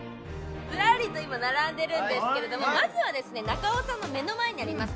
ずらりと今並んでるんですけれどもまずはですね中尾さんの目の前にあります